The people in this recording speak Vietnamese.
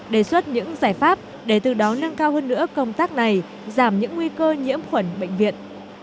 đề xuất những giải pháp để từ đó nâng cao hơn nữa công tác này giảm những nguy cơ nhiễm khuẩn bệnh viện